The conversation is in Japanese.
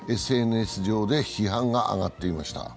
ＳＮＳ上で、批判が上がっていました。